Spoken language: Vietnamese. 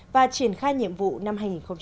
và triển khai nhiệm vụ năm hai nghìn một mươi tám